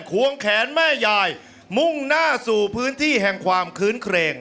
ควงแขนแม่ยายมุ่งหน้าสู่พื้นที่แห่งความคื้นเครง